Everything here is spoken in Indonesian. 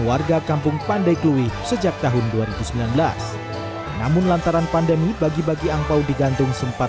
warga kampung pandai kelui sejak tahun dua ribu sembilan belas namun lantaran pandemi bagi bagi angpao digantung sempat